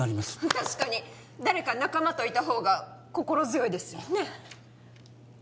確かに誰か仲間といた方が心強いですよね？